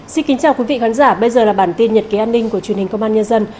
xin kính chào quý vị khán giả bây giờ là bản tin nhật ký an ninh của truyền hình công an nhân dân